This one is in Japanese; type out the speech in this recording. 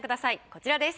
こちらです。